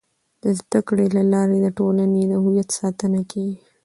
د زده کړې له لارې د ټولنې د هویت ساتنه کيږي.